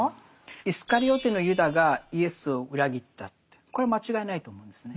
イスカリオテのユダがイエスを裏切ったってこれは間違いないと思うんですね。